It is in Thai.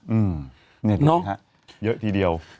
อืมเนี่ยนะฮะเยอะทีเดียว